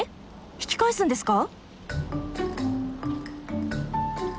引き返すんですか？